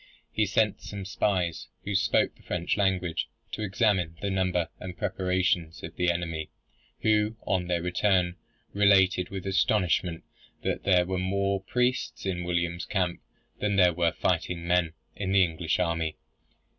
He sent some spies, who spoke the French language, to examine the number and preparations of the enemy, who, on their return, related with astonishment that there were more priests in William's camp than there were fighting men in the English army.